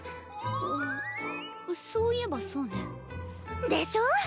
あっそういえばそうね。でしょう！